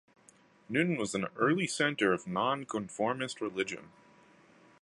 Newton was an early centre of Nonconformist religion.